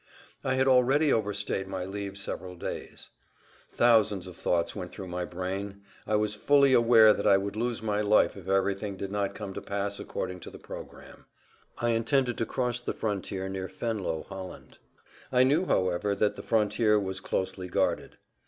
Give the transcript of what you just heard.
I had already overstayed my leave several days. Thousands of thoughts went through my brain. I was fully aware that I would lose my life if everything did not come to pass according to the program. I intended to cross the frontier near Venlo (Holland). I knew, however, that the frontier was closely guarded.